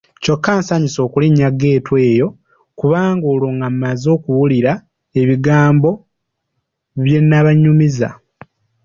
Kyokka nsanyuse okulinnya Geetu oyo, kubanga olwo ng'amaze okuwulira ebigambo bye nabanyumiza.